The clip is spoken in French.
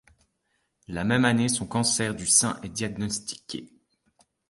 La même année, son cancer du sein est diagnostiqué.